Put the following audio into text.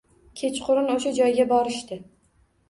Kechqurun o`sha joyga borishdi